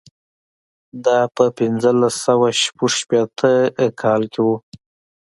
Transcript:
دا په پنځلس سوه شپږ شپېته کال کې و.